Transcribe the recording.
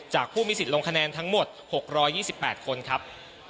ผู้มีสิทธิ์ลงคะแนนทั้งหมด๖๒๘คนครับ